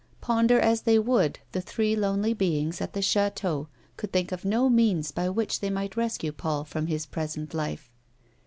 Ponder as they would, the three lonely beings at the chateau could think of no means by which they might rescue Paul from his present life.